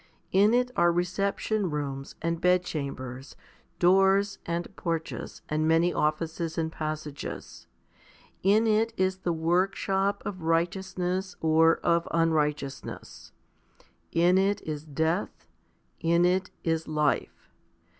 In it are reception rooms, and bedchambers, doors, and porches, and many offices and passages. In it is the workshop of righteousness or of unrighteousness. In it is death ; in it is life.